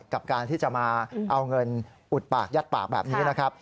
กับการที่จะมาเอาเงินอุดปากยัดปากแบบนี้นะครับ